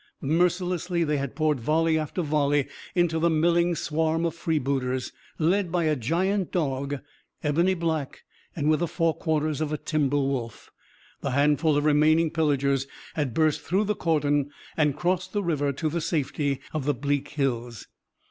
Mercilessly, they had poured volley after volley into the milling swarm of freebooters. Led by a giant dog, ebony black and with the forequarters of a timber wolf, the handful of remaining pillagers had burst through the cordon and crossed the river to the safety of the bleak hills.